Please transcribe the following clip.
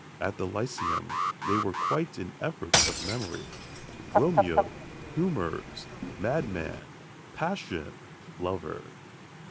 At the Lyceum they were quite an effort of memory: "Romeo! Humours! Madman! Passion! Lover!"